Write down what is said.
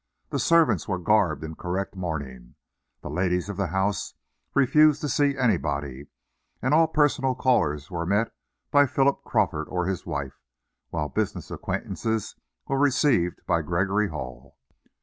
The servants were garbed in correct mourning, the ladies of the house refused to see anybody, and all personal callers were met by Philip Crawford or his wife, while business acquaintances were received by Gregory Hall.